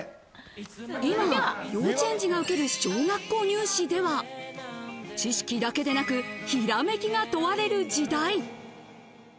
今、幼稚園児が受ける小学校入試では、知識だけでなく、ひらめきが問われる時代。